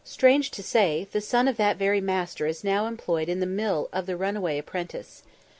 Strange to say, the son of that very master is now employed in the mill of the runaway apprentice.